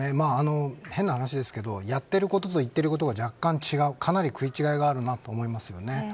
変な話ですけどやってることと言ってることが若干違うかなり食い違いがあると思います。